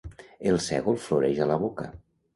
El sègol floreix a la boca.